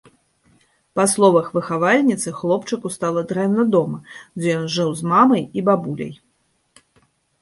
Па словах выхавальніцы, хлопчыку стала дрэнна дома, дзе ён жыў з мамай і бабуляй.